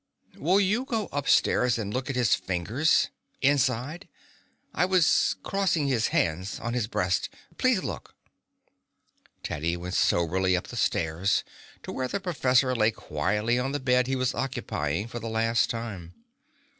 "Will you go upstairs and look at his fingers inside? I was crossing his hands on his breast. Please look." Teddy went soberly up the stairs to where the professor lay quietly on the bed he was occupying for the last time.